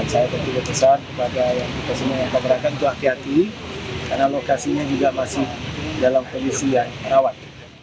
dan saya juga pesan kepada yang kita semua yang pemerintah berhati hati karena lokasinya juga masih dalam kondisi yang rawat